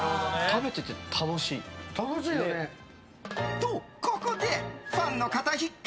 と、ここでファンの方必見！